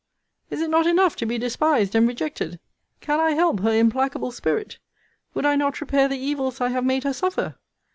Is it not enough to be despised and rejected? Can I help her implacable spirit? Would I not repair the evils I have made her suffer?'